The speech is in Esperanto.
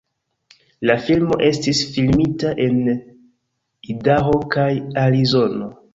La filmo estis filmita en Idaho kaj Arizono.